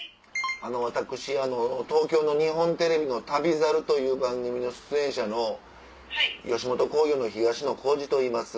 私東京の日本テレビの『旅猿』という番組の出演者の吉本興業の東野幸治といいます。